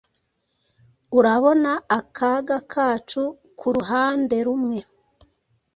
Urabona akaga kacu kuruhanderumwe